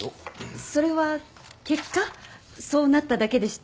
それは結果そうなっただけでして。